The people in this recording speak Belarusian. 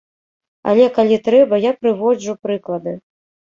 Але калі трэба, я прыводжу прыклады.